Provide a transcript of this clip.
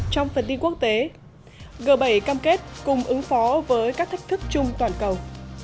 trong phần tin quốc tế g bảy cam kết cùng ứng phó với các thách thức chung toàn cầu